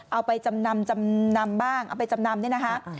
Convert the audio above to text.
เอาไปจำนำจำนำบ้างเอาไปจำนำเนี่ยนะคะ